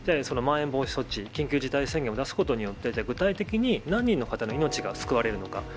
まん延防止措置、緊急事態宣言を出すことによって、具体的に何人の方の命が救われるのか。